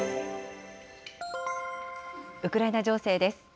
ウクライナ情勢です。